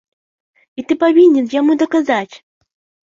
І ты павінен яму даказаць!